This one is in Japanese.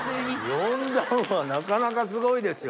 四段はなかなかすごいですよ。